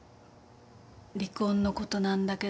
離婚のことなんだけど。